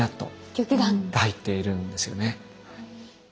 玉眼！が入っているんですよね。